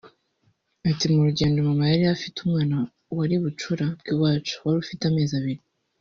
Ati “ mu rugendo mama yari afite umwana wari bucura bw’iwacu wari ufite amezi abiri